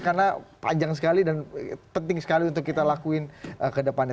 karena panjang sekali dan penting sekali untuk kita lakuin ke depannya